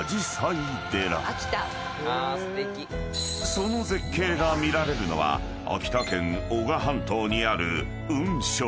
［その絶景が見られるのは秋田県男鹿半島にある］